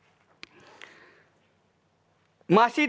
masih dalam konteks tersebut